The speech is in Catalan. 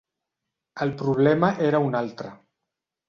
El problema era un altre.